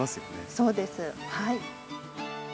そうですはい。